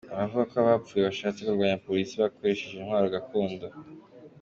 Aravuga ko abapfuye bashatse kurwanya polisi bakoresheje intwaro gakondo.